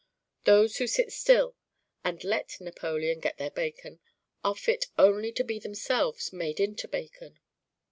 Those who sit still and let Napoleon get their bacon are fit only to be themselves made into bacon.